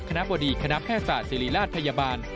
บดีคณะแพทยศาสตร์ศิริราชพยาบาล